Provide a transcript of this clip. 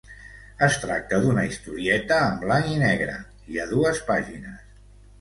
Es tracta d'una historieta en blanc i negre, i a dues pàgines.